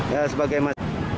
ya sebagai mas